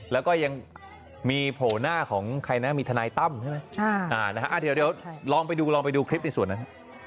แล้วก็ยังมีโผล่หน้าของใครนะมีทนายตั้มใช่ไหมเดี๋ยวลองไปดูลองไปดูคลิปในส่วนนั้น